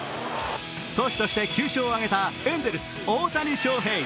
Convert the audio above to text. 投手として９勝を挙げたエンゼルス・大谷翔平。